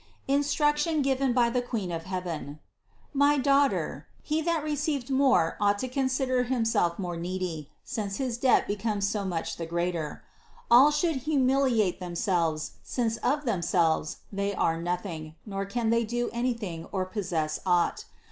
INSTRUCTION GIVEN BY THE QUEEN OF HEAVEN. 385. My daughter, he that received more ought to consider himself more needy, since his debt becomes so 306 CITY OF GOD much the greater. All should humiliate themselves since of themselves they are nothing, nor can they do any thing or possess ought.